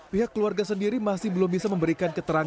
pihak keluarga sendiri masih belum bisa memberikan keterangan